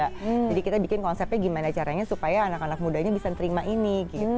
jadi kita bikin konsepnya gimana caranya supaya anak anak mudanya bisa terima ini